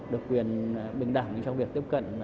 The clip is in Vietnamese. được quyền bình đẳng trong việc tiếp cận